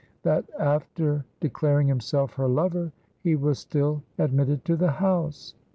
that after declaring himself her lover he was still admitted to the house.